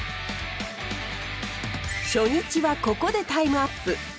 初日はここでタイムアップ。